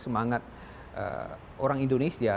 semangat orang indonesia